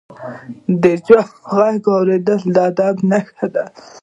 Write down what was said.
د چا ږغ اورېدل د ادب نښه ده.